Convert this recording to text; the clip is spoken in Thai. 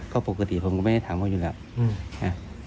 ก็ปกติผมก็ไม่ได้ถามเขาอยู่แล้วนะ